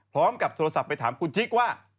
พร้อมกับโทรศัพท์ไปถามคุณจิ๊กว่า